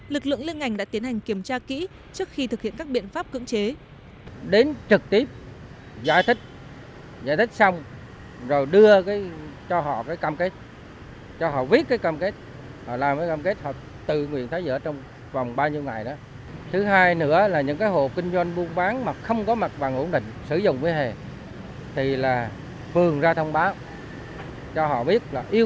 lực lượng liên ngành đã tiến hành kiểm tra kỹ trước khi thực hiện các biện pháp cưỡng chế